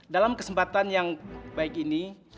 dalam kesempatan yang baik ini